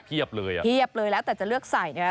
เทียบเลยอ่ะเทียบเลยแล้วแต่จะเลือกใส่เนี่ย